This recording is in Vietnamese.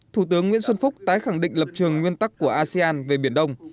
thủ tướng nguyễn xuân phúc tái khẳng định lập trường nguyên tắc của asean về biển đông